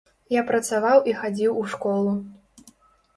Я працаваў і хадзіў у школу.